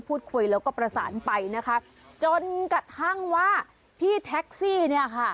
เป็นยังไงคะ